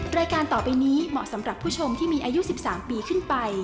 รายการต่อไปนี้เหมาะสำหรับผู้ชมที่มีอายุ๑๓ปีขึ้นไป